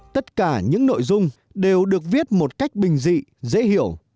tất cả những nội dung đều được viết một cách bình dị dễ hiểu